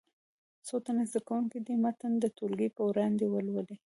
څو تنه زده کوونکي دې متن د ټولګي په وړاندې ولولي.